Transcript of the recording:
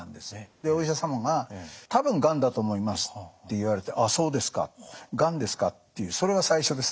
でお医者様が「多分がんだと思います」って言われて「ああそうですか。がんですか」っていうそれが最初ですね。